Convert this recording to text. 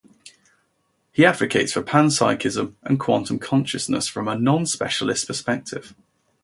He advocates for panpsychism and quantum consciousness from a non-specialist perspective.